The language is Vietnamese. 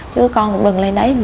chứ con cũng đừng lên đấy làm gì